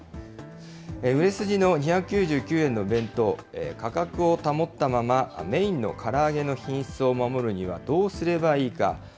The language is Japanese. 売れ筋の２９９円の弁当、価格を保ったまま、メインのから揚げの品質を守るにはどうすればいいか。